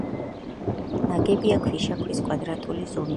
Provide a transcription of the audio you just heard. ნაგებია ქვიშა-ქვის კვადრატული ზომის ქვებით.